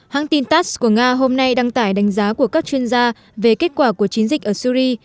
hãng tin tass của nga hôm nay đăng tải đánh giá của các chuyên gia về kết quả của chiến dịch ở syri